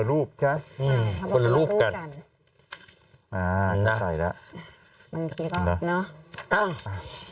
พรุ่งนี้วันศุกร์แล้วแล้ว